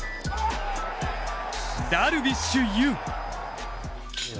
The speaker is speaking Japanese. ダルビッシュ有。